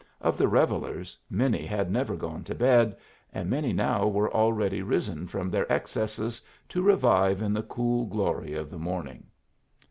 Of the revellers, many had never gone to bed, and many now were already risen from their excesses to revive in the cool glory of the morning.